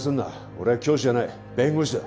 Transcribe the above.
俺は教師じゃない弁護士だ